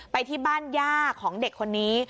ไปที่บ้านย่าของเด็กคนนี้